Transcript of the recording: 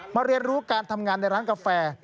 เรียนรู้การทำงานในร้านกาแฟ